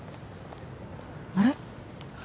あれ？